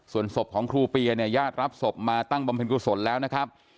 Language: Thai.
ส่วนศพของครูเปียเนี่ยญาติรับศพมาตั้งบำเพ็ญกุศลแล้วนะครับ